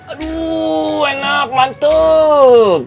aduh enak mantap